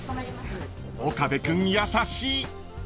［岡部君優しい］